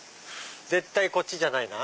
絶対こっちじゃないな。